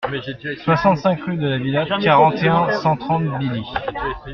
soixante-cinq rue de la Vilatte, quarante et un, cent trente, Billy